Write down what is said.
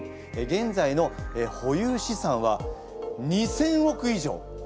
げんざいの保有資産は２，０００億以上。